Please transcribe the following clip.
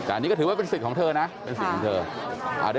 อันนี้ก็ถือว่าเป็นสิทธิ์ของเธอนะเป็นสิทธิ์ของเธอ